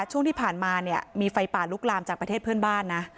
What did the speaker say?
ช่วงที่ผ่านมาเนี่ยมีไฟป่าลุกลามจากประเทศเพื่อนบ้านนะ